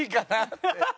って。